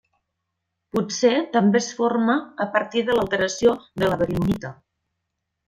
Potser també es forma a partir de l'alteració de la beril·lonita.